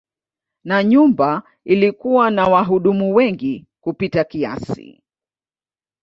Na nyumba ilikuwa na wahudumu wengi kupita kiasi.